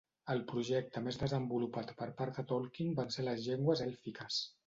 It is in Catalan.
El projecte més desenvolupat per part de Tolkien van ser les llengües èlfiques.